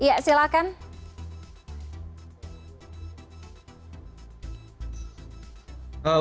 warga palestina sendiri masih bagaimana